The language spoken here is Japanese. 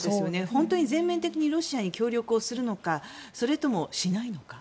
本当に全面的にロシアに協力をするのかそれともしないのか。